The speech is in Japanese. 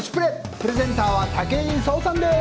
プレゼンターは武井壮さんです。